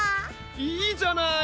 いいじゃない！